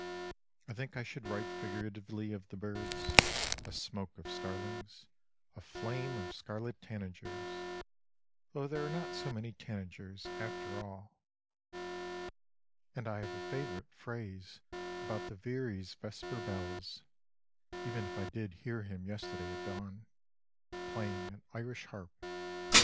I think I should write figuratively of the birds, A smoke of starlings, A flame of scarlet tanagers, Though there are not so many tanagers after all : And I have a favorite phrase about the veery's vesper bells, Even if I did hear him yesterday at dawn, Playing an Irish harp!